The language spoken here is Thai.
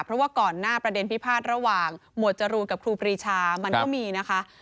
เพราะว่าก่อนหน้าประเด็นพิพาทระหว่างหมวดจรูนกับครูปรีชามันก็มีนะคะ